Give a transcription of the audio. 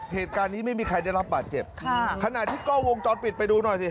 เหตุการณ์นี้ไม่มีใครได้รับบาดเจ็บค่ะขณะที่กล้องวงจรปิดไปดูหน่อยสิ